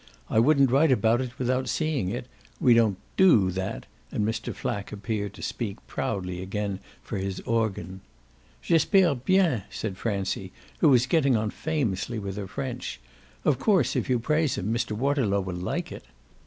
I wouldn't write about it without seeing it. We don't DO that" and Mr. Flack appeared to speak proudly again for his organ. "J'espere bien!" said Francie, who was getting on famously with her French. "Of course if you praise him Mr. Waterlow will like it."